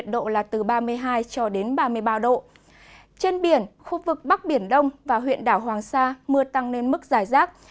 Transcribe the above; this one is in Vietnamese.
trên biển khu vực bắc biển đông và huyện đảo hoàng sa mưa tăng lên mức giải rác